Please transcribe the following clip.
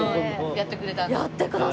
やってくれたんだ？